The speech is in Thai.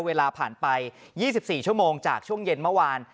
เวลาผ่านไป๒๔ชั่วโมงจากช่วงเย็นเมื่อวาน